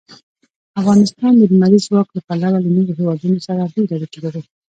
افغانستان د لمریز ځواک له پلوه له نورو هېوادونو سره ډېرې اړیکې لري.